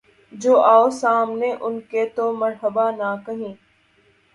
جو آؤں سامنے ان کے‘ تو مرحبا نہ کہیں